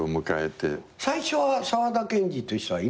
最初は沢田研二という人はいなかった？